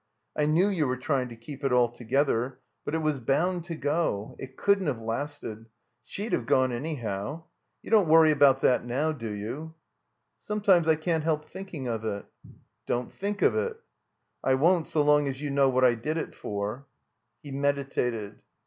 I knew you were trying to keep it all together. But it was botmd to go. It cotddn't have lasted. She'd have gone anyhow. You don't worry about that now, do you?" "Sometimes I can't help thinking of it." "Don't thmk of it." "I won't so long as you know what I did it for." He meditated.